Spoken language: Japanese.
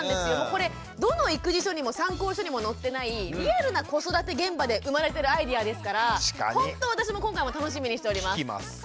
これどの育児書にも参考書にも載ってないリアルな子育て現場で生まれてるアイデアですからほんと私も今回も楽しみにしております。